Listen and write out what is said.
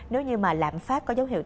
nếu như mà lãm phát có dấu hiệu